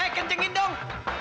eh kencengin dong